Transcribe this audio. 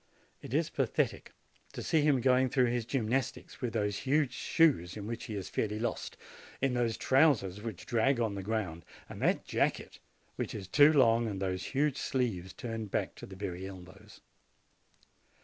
It is pathetic to see him going through his gymnastics with those huge shoes in which he is fairly lost, in those trousers which drag on the ground, and that jacket which is too long, and those huge sleeves turned back to the very elbow r s.